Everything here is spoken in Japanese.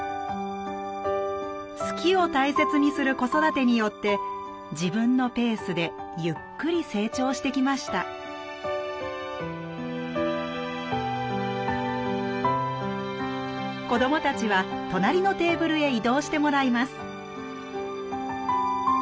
「好き」を大切にする子育てによって自分のペースでゆっくり成長してきました子どもたちは隣のテーブルへ移動してもらいます